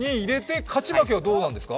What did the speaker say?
勝ち負けはどうなるんですか？